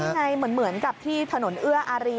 นี่ไงเหมือนกับที่ถนนเอื้ออารี